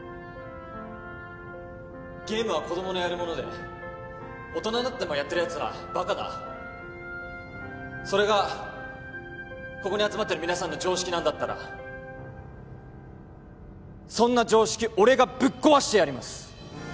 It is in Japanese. ゲームは子供のやるもので大人になってもやってるやつはバカだそれがここに集まってる皆さんの常識なんだったらそんな常識俺がぶっ壊してやります